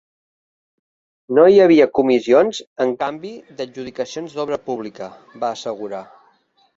No hi havia comissions en canvi d’adjudicacions d’obra pública, va assegurar.